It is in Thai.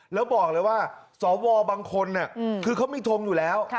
แล้วบอกเลยว่าสวบางคนคือเขาไม่ทงอยู่แล้ว